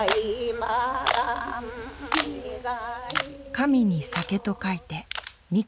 神に酒と書いて「神酒」。